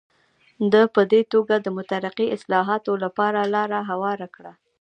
ده په دې توګه د مترقي اصلاحاتو لپاره لاره هواره کړه.